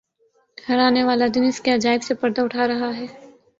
ہر آنے والا دن اس کے عجائب سے پردہ اٹھا رہا ہے۔